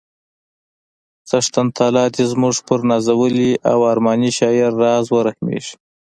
څښتن تعالی دې زموږ پر نازولي او ارماني شاعر راز ورحمیږي